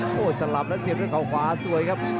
โอ้โหสลับแล้วเสียบด้วยเขาขวาสวยครับ